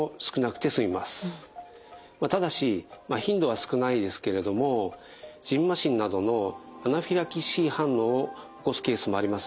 ただし頻度は少ないですけれどもじんましんなどのアナフィラキシー反応を起こすケースもありますので注意が必要です。